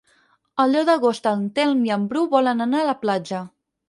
El deu d'agost en Telm i en Bru volen anar a la platja.